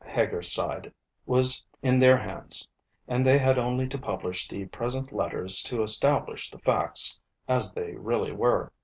Heger's side, was in their hands; and they had only to publish the present Letters to establish the facts as they really were.